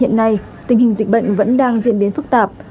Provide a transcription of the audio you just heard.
hiện nay tình hình dịch bệnh vẫn đang diễn biến phức tạp